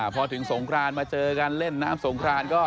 พอถึงสงครานมาเจอกันเล่นน้ำสงครานก็